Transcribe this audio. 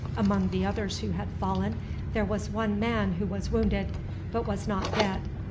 Among the others who had fallen there was one man who was wounded, but was not dead.